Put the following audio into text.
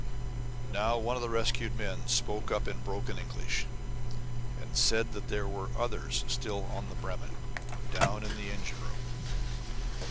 Now one of the rescued men spoke up in broken English, and said that there were others still on the Bremen, down in the engine room.